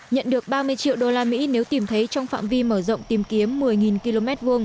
nhận được ba mươi triệu đô la mỹ nếu tìm thấy trong phạm vi mở rộng tìm kiếm một mươi km hai